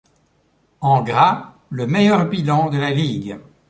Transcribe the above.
En gras le meilleur bilan de la ligue.